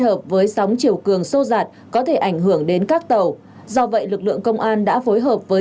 hợp với sóng chiều cường sô dạt có thể ảnh hưởng đến các tàu do vậy lực lượng công an đã phối hợp với